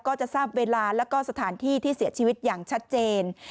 ก็จะทราบเวลาแล้วก็สถานที่ที่เสียชีวิตอย่างชัดเจน